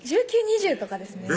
１９２０とかですね